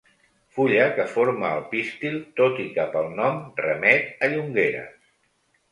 Fulla que forma el pistil, tot i que pel nom remet a Llongueras.